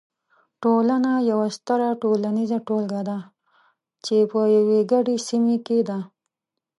ټولنه یوه ستره ټولنیزه ټولګه ده چې په یوې ګډې سیمې کې ده.